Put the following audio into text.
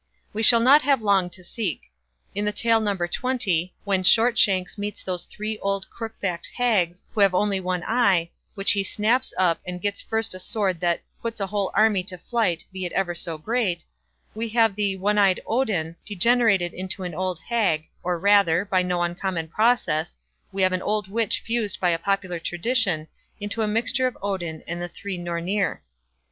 We shall not have long to seek. In tale No. xx, when Shortshanks meets those three old crookbacked hags who have only one eye, which he snaps up, and gets first a sword "that puts a whole army to flight, be it ever so great", we have the "one eyed Odin", degenerated into an old hag, or rather—by no uncommon process—we have an old witch fused by popular tradition into a mixture of Odin and the three Nornir.